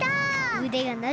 うでがなる！